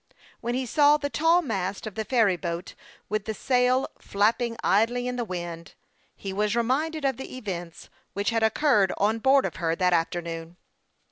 When he saw the tall mast of the ferry boat, with the sail flapping idly in the wind, he was reminded of the events which had occurred on board of her that afternoon.